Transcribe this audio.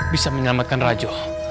bisa menyelamatkan rajo